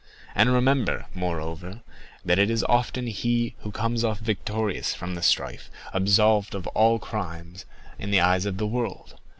And remember, moreover, that it is often he who comes off victorious from the strife, absolved of all crime in the eyes of the world.